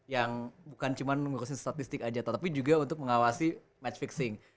yang bukan cuma mengurusin statistik aja tetapi juga untuk mengawasi match fixing